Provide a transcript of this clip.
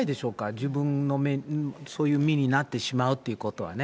自分のそういう身になってしまうってことはね。